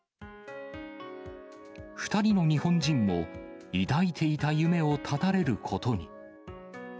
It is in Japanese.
２人の日本人も、抱いていた夢を絶たれることに。